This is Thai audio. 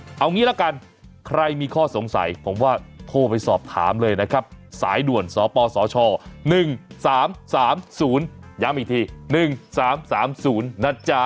เอางี้ละกันใครมีข้อสงสัยผมว่าโทรไปสอบถามเลยนะครับสายด่วนสปสช๑๓๓๐ย้ำอีกที๑๓๓๐นะจ๊ะ